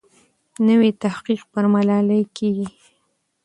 نوی تحقیق پر ملالۍ کېږي.